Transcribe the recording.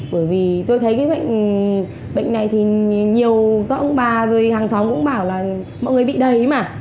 bởi vì tôi thấy cái bệnh này thì nhiều tổng bà rồi hàng xóm cũng bảo là mọi người bị đầy mà